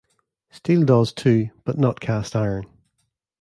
Steel does, too, but not cast iron.